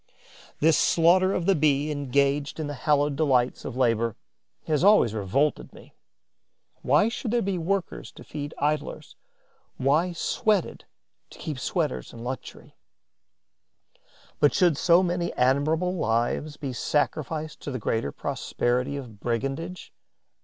This slaughter of the Bee engaged in the hallowed delights of labour has always revolted me. Why should there be workers to feed idlers, why sweated to keep sweaters in luxury? Why should so many admirable lives be sacrificed to the greater prosperity of brigandage?